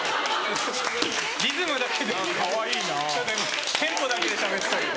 リズムだけでテンポだけでしゃべってる。